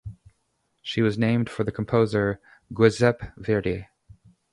She was named for the composer Giuseppe Verdi.